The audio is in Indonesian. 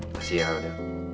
masih ya aduh